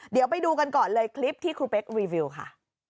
เดี๋ยวไปดูกันก่อนเลยคลิปที่ครูเป๊กรีวิวค่ะ